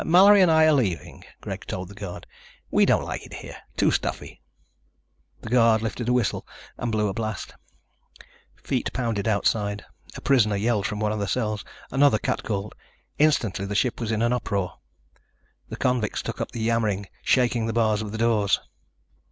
"Mallory and I are leaving," Greg told the guard. "We don't like it here. Too stuffy." The guard lifted a whistle and blew a blast. Feet pounded outside. A prisoner yelled from one of the cells. Another catcalled. Instantly the ship was in an uproar. The convicts took up the yammering, shaking the bars on their doors.